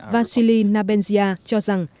vasily nabensia cho rằng